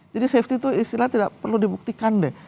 jadi safety itu istilahnya tidak perlu dibuktikan deh